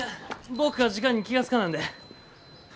僕が時間に気が付かなんで。